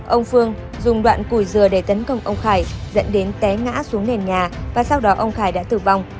ông phương dùng đoạn củi dừa để tấn công ông khải dẫn đến té ngã xuống nền nhà và sau đó ông khải đã tử vong